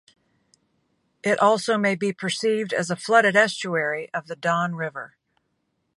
It also may be perceived as a flooded estuary of the Don River.